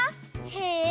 へえ！